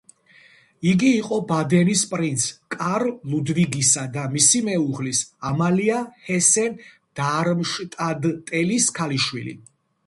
იგი იყო ბადენის პრინც კარლ ლუდვიგისა და მისი მეუღლის, ამალია ჰესენ-დარმშტადტელის ქალიშვილი.